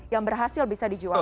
yang berhasil bisa dijual